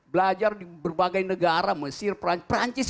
belajar di berbagai negara mesir perancis